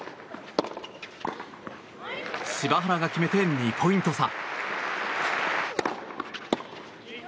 柴原が決めて２ポイント差。